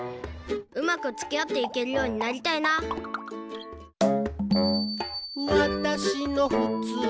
うまくつきあっていけるようになりたいな「私のふつう、あなたのふつう、」